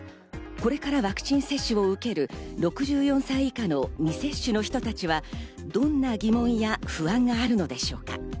これからワクチン接種を受ける６４歳以下の未接種の人たちは、どんな疑問や不安があるのでしょうか？